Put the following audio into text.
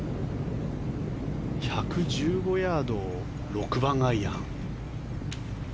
１１５ヤードを６番アイアン。